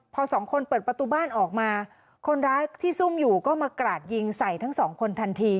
พอสองคนเปิดประตูบ้านออกมาคนร้ายที่ซุ่มอยู่ก็มากราดยิงใส่ทั้งสองคนทันที